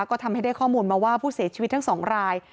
ก็ทำให้ได้ข้อมูลมาว่าผู้เสียชีวิตทั้งสองราย